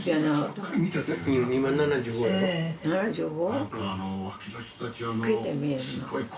７５？